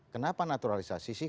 kenapa naturalisasi sih